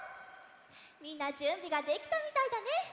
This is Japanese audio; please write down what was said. みんなじゅんびができたみたいだね。